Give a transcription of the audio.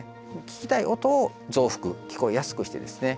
聞きたい音を増幅聞こえやすくしてですね